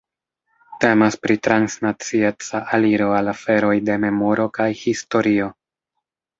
Temas pri transnacieca aliro al aferoj de memoro kaj historio.